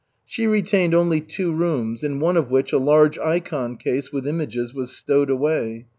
She retained only two rooms, in one of which a large ikon case with images was stowed away.